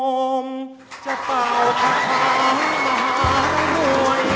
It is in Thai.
โอ้มจะเป่าพระธรรมมหาลวย